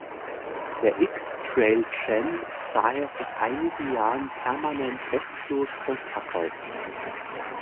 Der "X-Trail" Jam ist daher seit einigen Jahren permanent restlos ausverkauft.